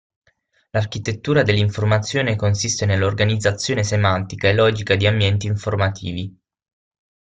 L'architettura dell'informazione consiste nell'organizzazione semantica e logica di ambienti informativi.